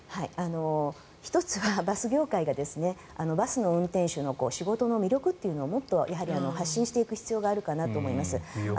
１つはバス業界がバスの運転手の仕事の魅力というのをもっと発信していく必要があるかなと思います。